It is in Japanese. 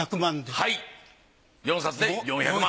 はい４冊で４００万。